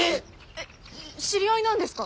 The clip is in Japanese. えっ知り合いなんですか？